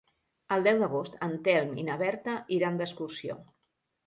El deu d'agost en Telm i na Berta iran d'excursió.